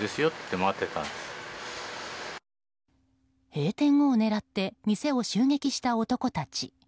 閉店後を狙って店を襲撃した男たち。